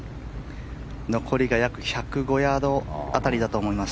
残りが約１０５ヤード辺りだと思います。